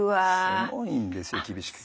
すごいんですよ厳しくて。